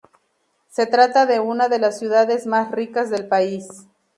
Se trata de una de las ciudades más ricas del país.